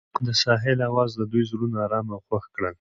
د ساحل اواز د دوی زړونه ارامه او خوښ کړل.